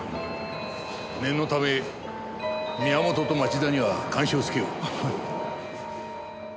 念のため宮本と町田には監視をつけよう。